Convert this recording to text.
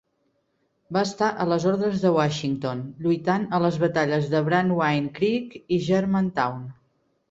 Va estar a les ordres de Washington, lluitant a les batalles de Brandywine Creek i Germantown.